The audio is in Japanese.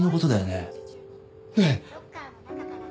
ねえ？